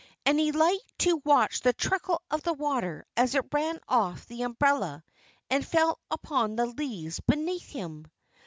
And he liked to watch the trickle of the water as it ran off the umbrella and fell upon the leaves beneath him.